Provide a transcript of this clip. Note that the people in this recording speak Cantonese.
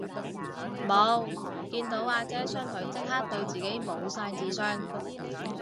無，見到阿姐雙腿即刻對自己無晒自信